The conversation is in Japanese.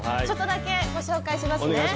ちょっとだけご紹介しますね。